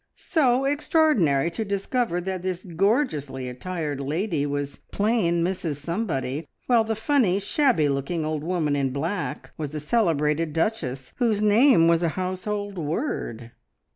So extraordinary to discover that this gorgeously attired lady was plain Mrs Somebody, while the funny, shabby looking old woman in black was a celebrated Duchess, whose name was a household word.